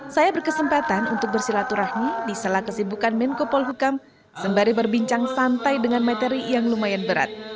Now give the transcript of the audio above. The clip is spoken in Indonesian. saya berkesempatan untuk bersilaturahmi di salah kesibukan menko polhukam sembari berbincang santai dengan materi yang lumayan berat